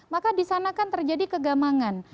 maka disana kan terjadi kegamangan